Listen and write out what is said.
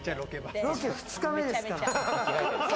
ロケ２日目ですから。